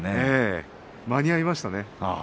間に合いましたね。